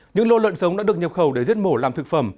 những lô lợn sống đã được nhập khẩu để giết mổ làm thực phẩm